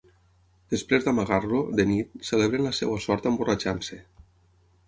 Després d'amagar-lo, de nit, celebren la seva sort emborratxant-se.